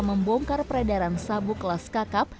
membongkar peredaran sabu kelas kakap